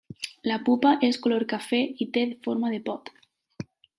La pupa és color cafè i té forma de pot.